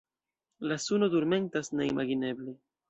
La suno turmentas neimageble.